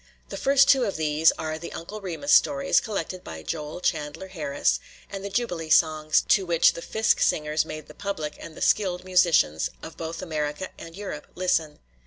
The first two of these are the Uncle Remus stories, collected by Joel Chandler Harris, and the Jubilee songs, to which the Fisk singers made the public and the skilled musicians of both America and Europe listen.